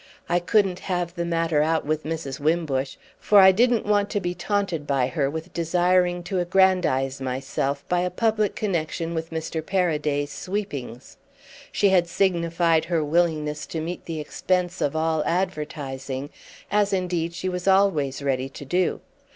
I couldn't have the matter out with Mrs. Wimbush, for I didn't want to be taunted by her with desiring to aggrandise myself by a public connexion with Mr. Paraday's sweepings. She had signified her willingness to meet the expense of all advertising, as indeed she was always ready to do.